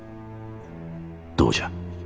どうじゃ？